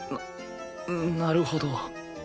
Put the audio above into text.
ななるほど